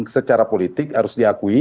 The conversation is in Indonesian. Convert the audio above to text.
secara politik harus diakui